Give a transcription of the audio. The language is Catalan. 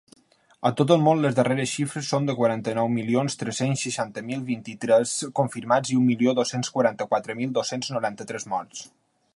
A tot el món, les darreres xifres són de quaranta-nou milions tres-cents seixanta mil vint-i-tres confirmats i un milió dos-cents quaranta-quatre mil dos-cents noranta-tres morts.